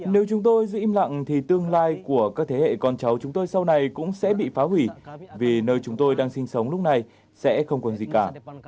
nếu chúng tôi dĩ im lặng thì tương lai của các thế hệ con cháu chúng tôi sau này cũng sẽ bị phá hủy vì nơi chúng tôi đang sinh sống lúc này sẽ không còn gì cả